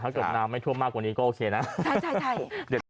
ถ้าเกิดน้ำไม่ท่วมมากกว่านี้ก็โอเคนะใช่